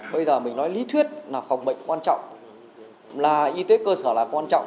bây giờ mình nói lý thuyết là phòng bệnh quan trọng là y tế cơ sở là quan trọng